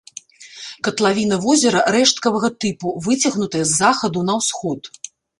Катлавіна возера рэшткавага тыпу, выцягнутая з захаду на ўсход.